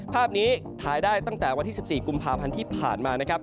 ภาพนี้ถ่ายได้ตั้งแต่วันที่๑๔กุมภาพันธ์ที่ผ่านมานะครับ